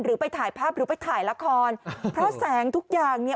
ไปถ่ายภาพหรือไปถ่ายละครเพราะแสงทุกอย่างเนี่ย